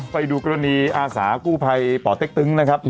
ไปดูกรณีอาสากู้ภัยป่อเต็กตึงนะครับ